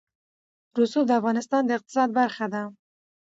رسوب د افغانستان د اقتصاد برخه ده.